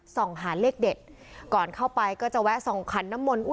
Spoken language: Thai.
ส่องหาเลขเด็ดก่อนเข้าไปก็จะแวะส่องขันน้ำมนต์